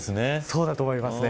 そうだと思いますね。